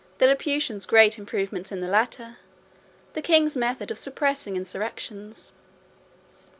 The Laputians' great improvements in the latter. The king's method of suppressing insurrections.